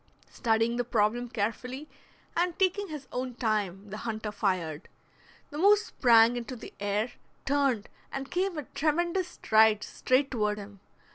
Studying the problem carefully, and taking his own time, the hunter fired. The moose sprang into the air, turned, and came with tremendous strides straight toward him.